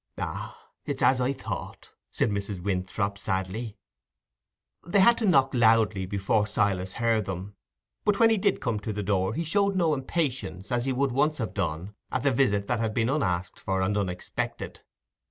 "Ah, it is as I thought," said Mrs. Winthrop, sadly. They had to knock loudly before Silas heard them; but when he did come to the door he showed no impatience, as he would once have done, at a visit that had been unasked for and unexpected.